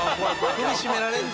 首絞められるぞ。